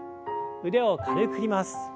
腕を軽く振ります。